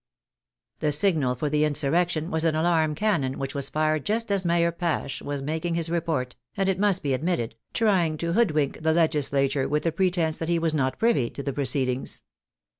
The signal for the insurrection was an alarm cannon which was fired just as Mayor Pache was making his re port, and, it must be admitted, trying to hoodwink the legislature with the pretence that he was not privy to the proceedings.